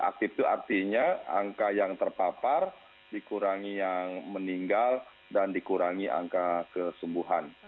aktif itu artinya angka yang terpapar dikurangi yang meninggal dan dikurangi angka kesembuhan